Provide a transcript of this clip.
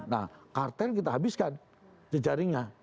nah kartel kita habiskan jejaringnya